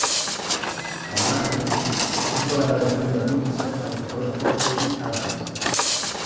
La imagen, hizo ganar el Premio Pulitzer al fotógrafo Eddie Adams.